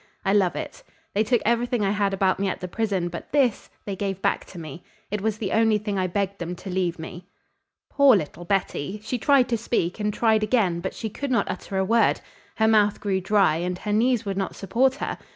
I love it. They took everything I had about me at the prison; but this they gave back to me. It was the only thing I begged them to leave me." Poor little Betty! She tried to speak and tried again, but she could not utter a word. Her mouth grew dry and her knees would not support her.